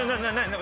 何？